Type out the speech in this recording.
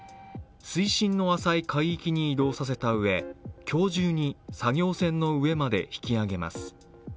水深の浅い海域に移動させたうえ今日中に作業船の上まで引き揚げます。